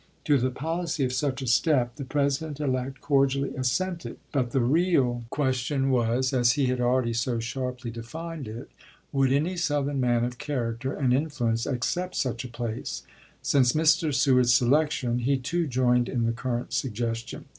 To the policy of such a step the President elect cordially assented; but the real Dec. 25, 1860. 362 ABEAHAM LINCOLN ch. xxii. question was, as he had already so sharply denned it : Would any Southern man of character and in fluence accept such a place 1 Since Mr. Seward's selection, he too joined in the current suggestion.